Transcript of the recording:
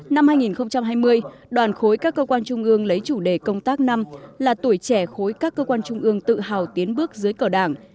năm hai nghìn hai mươi đoàn khối các cơ quan trung ương lấy chủ đề công tác năm là tuổi trẻ khối các cơ quan trung ương tự hào tiến bước dưới cờ đảng